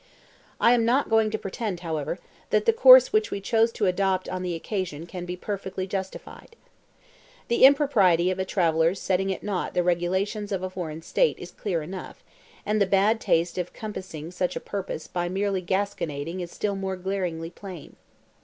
I am not going to pretend, however, that the course which we chose to adopt on the occasion can be perfectly justified. The impropriety of a traveller's setting at naught the regulations of a foreign State is clear enough, and the bad taste of compassing such a purpose by mere gasconading is still more glaringly plain.